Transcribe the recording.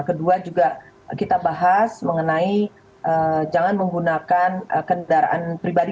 kedua juga kita bahas mengenai jangan menggunakan kendaraan pribadi